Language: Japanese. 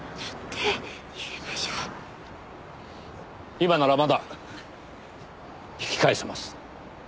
今ならまだ引き返せます。